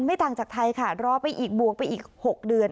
ต่างจากไทยค่ะรอไปอีกบวกไปอีก๖เดือน